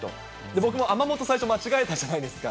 僕もアマモと最初間違えたじゃないですか。